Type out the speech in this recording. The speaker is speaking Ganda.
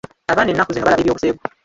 Abaana nnaku zino balaba eby'obuseegu.